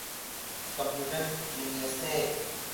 Computer genius تھے۔